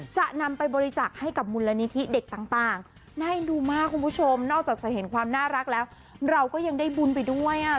จะนำไปบริจักษ์ให้กับมูลนิธิเด็กต่างน่าเอ็นดูมากคุณผู้ชมนอกจากจะเห็นความน่ารักแล้วเราก็ยังได้บุญไปด้วยอ่ะ